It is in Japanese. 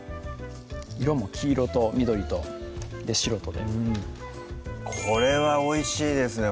色も黄色と緑と白とでこれはおいしいですね